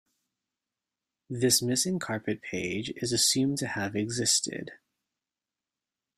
This missing carpet page is assumed to have existed.